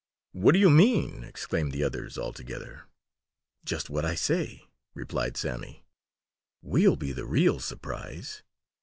"What do you mean?" exclaimed the others, all together. "Just what I say," replied Sammy. "We'll be the real surprise.